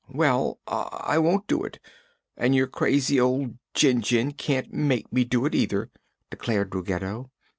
"Well, I won't do it. And your crazy old Jinjin can't make me do it, either!" declared Ruggedo.